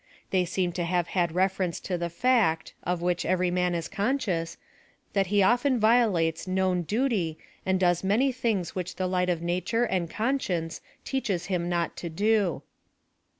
They seem to have had reference to the fact, of which every man is conscious, that he often violates known duty and does many things which the light of nature and conscience teaches him not to do.